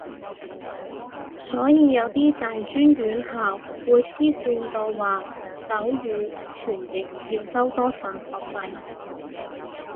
所以有啲大專院校會黐線到話手語傳譯要收多份學費